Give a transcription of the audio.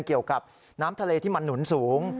เกี่ยวกับน้ำทะเลที่มันหนุนสูง